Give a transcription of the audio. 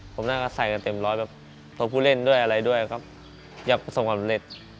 ผมนั่งก็ใส่กันเต็มร้อยแบบตัวผู้เล่นด้วยอะไรด้วยครับอยากประสบความสำเร็จ